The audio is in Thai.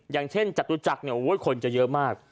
อย่างเช่นจตุจักรเนี่ยคนจะเยอะมาก